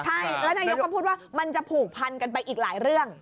ใช่แล้วนายกก็พูดว่ามันจะผูกพันกันไปอีกหลายเรื่อง